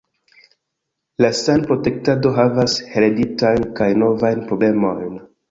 La sanprotektado havas hereditajn kaj novajn problemojn.